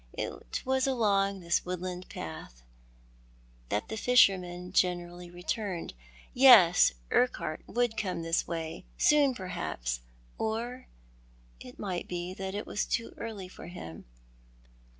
It was along this woodland path that the fishermen generally returned. Tes, Urquhart would come this way, soon perhaps— or it might be that it was too early for him.